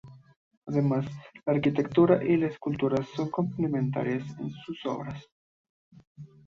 Además, la arquitectura y la escultura son complementarias en sus obras.